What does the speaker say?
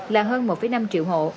là hơn một năm triệu hộ